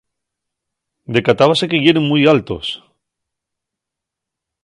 Decatábase que yeren mui altos.